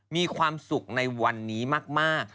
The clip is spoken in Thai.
มีความสุขในวันนี้มาก